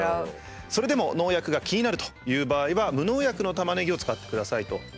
それでも農薬が気になるという場合は無農薬のタマネギを使ってくださいと。